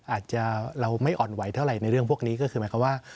อาจจะเราไม่อ่อนไหวเท่าไหร่ในเรื่องพวกนี้ก็คือหมายความว่า